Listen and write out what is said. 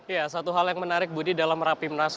ya satu hal yang menarik budi dalam rapimnas